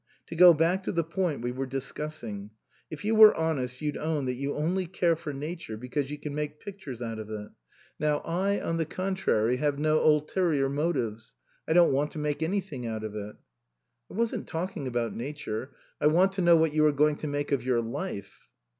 " To go back to the point we were discussing. If you were honest you'd own that you only care for nature because you can make pictures out of it. Now 160 OUTWARD BOUND I, on the contrary, have no ulterior motives ; I don't want to make anything out of it." " I wasn't talking about nature. I want to know what you are going to make of your life."